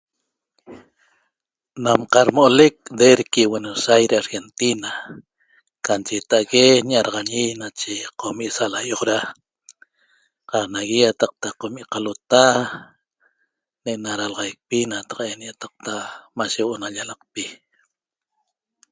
Nam qadmo'olec Derqui Buenos Aires Argentina ca cheta'ague ña'adaxañi nache qomi' salaýoxoda qaq nagui ýataqta qomi qalota ne'ena dalaxaicpi nataq'en ýataqta mashe huo'o na llalaqpi